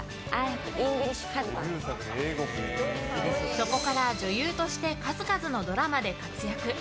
そこから女優として数々のドラマで活躍。